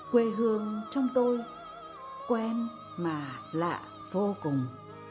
quê hương trong tôi quen mà lạ vô cùng